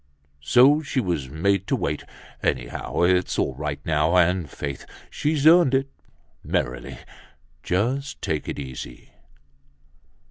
So she was made to wait. Anyhow, it's all right now, and faith! She's earned it! Merrily, just take it easy."